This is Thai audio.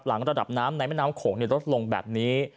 หลังระดับน้ำในน้ำโข่งลดลงแบบนี้